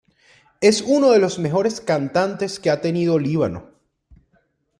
Es uno de los mejores cantantes que ha tenido Líbano.